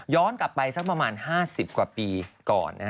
กลับไปสักประมาณ๕๐กว่าปีก่อน